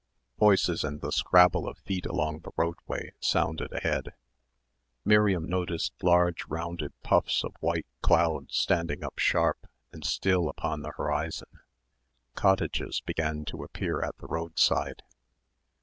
Voices and the scrabble of feet along the roadway sounded ahead. Miriam noticed large rounded puffs of white cloud standing up sharp and still upon the horizon. Cottages began to appear at the roadside.